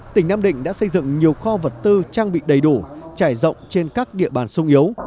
tỉnh nam định đã xây dựng nhiều kho vật tư trang bị đầy đủ trải rộng trên các địa bàn sung yếu